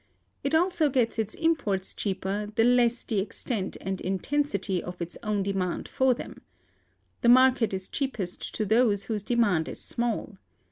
It also gets its imports cheaper, the less the extent and intensity of its own demand for them. The market is cheapest to those whose demand is small.